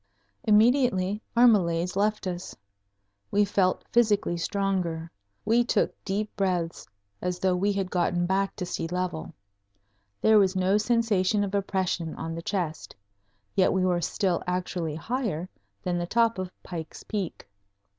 Immediately our malaise left us. We felt physically stronger. We took deep breaths as though we had gotten back to sea level. There was no sensation of oppression on the chest. Yet we were still actually higher than the top of Pike's Peak.